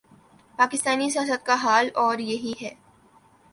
پاکستانی سیاست کا حال اور یہی ہے۔